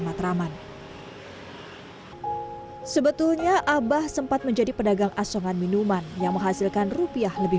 matraman sebetulnya abah sempat menjadi pedagang asongan minuman yang menghasilkan rupiah lebih